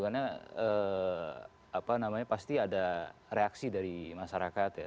karena pasti ada reaksi dari masyarakat ya